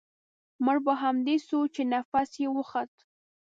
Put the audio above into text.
مړ په همدې سو چې نفس يې و خوت.